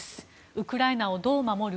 ウクライナをどう守る？